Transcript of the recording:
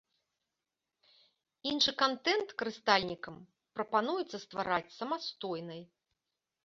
Іншы кантэнт карыстальнікам прапануецца ствараць самастойнай.